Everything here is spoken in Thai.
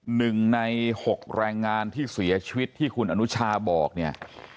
หนึ่งในหกแรงงานที่เสียชีวิตที่คุณอนุชาบอกเนี่ย